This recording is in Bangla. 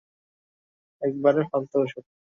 একেবারে ফালতু ঔষধ।